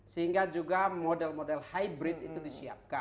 sehingga juga model model hybrid itu disiapkan